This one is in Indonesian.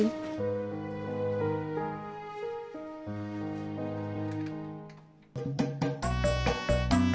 ayolah biar dia minum ya